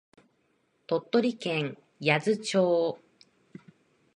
鳥取県八頭町